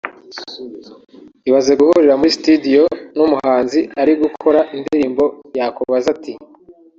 Ibaze guhurira muri studio n’umuhanzi ari gukora indirimbo yakubaza ati